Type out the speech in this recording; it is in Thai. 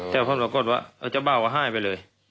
แต่พ่อหนูก็กดว่าเจ้าเบ้าก็หายไปเลย